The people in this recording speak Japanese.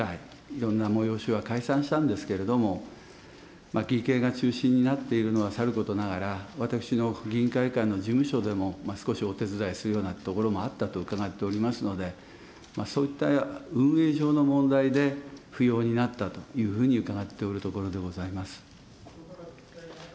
いろんな催しは開催したんですけれども、義兄が中心になっているのはさることながら、私の議員会館の事務所でも少しお手伝いするようなところもあったとお伺いしておりますので、そういった運営上の問題で、不要になったというふうに伺っておるところでございます。